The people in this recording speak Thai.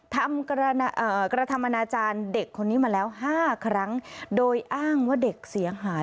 ทำกระทำอนาจารย์เด็กคนนี้มาแล้ว๕ครั้งโดยอ้างว่าเด็กเสียหาย